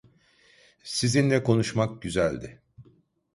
Sizinle konuşmak güzeldi.